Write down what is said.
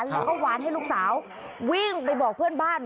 แล้วก็หวานให้ลูกสาววิ่งไปบอกเพื่อนบ้าน